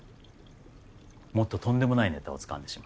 もっととんでもないネタをつかんでしまったんですよ。